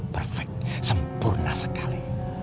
perfect sempurna sekali